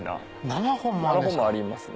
７本もありますね。